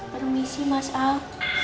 permisi mas al